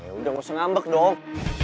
ya udah gak usah ngambek dong